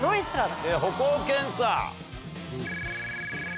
歩行検査。